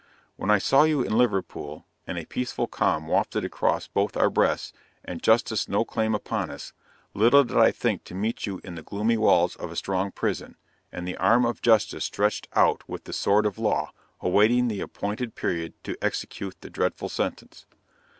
When I saw you in Liverpool, and a peaceful calm wafted across both our breasts, and justice no claim upon us, little did I think to meet you in the gloomy walls of a strong prison, and the arm of justice stretched out with the sword of law, awaiting the appointed period to execute the dreadful sentence.